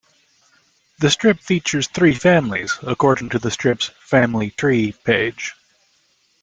The strip features three families, according to the strip's "Family Tree" page.